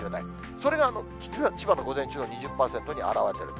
それが千葉の午前中の２０％に表れていると。